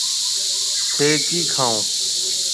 ٿَي ڪِي کائون؟